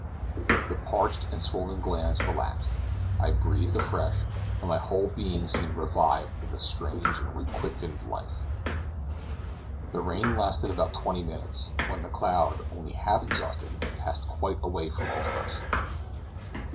The parched and swollen glands relaxed, I breathed afresh, and my whole being seemed revived with a strange and requickened life. The rain lasted about twenty minutes, when the cloud, only half exhausted, passed quite away from over us.